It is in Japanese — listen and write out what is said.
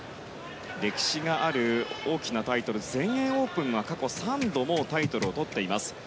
歴史がある大きなタイトル全英オープン過去３度もうタイトルをとっています。